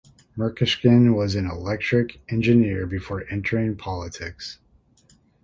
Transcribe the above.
Merkushkin was an electrical engineer before entering politics.